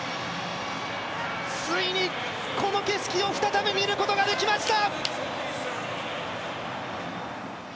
ついに、この景色を再び見ることができました！